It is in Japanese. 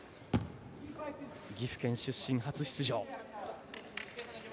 岐阜県出身、初出場。